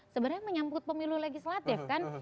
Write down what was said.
sebenarnya menyambut pemilu legislatif kan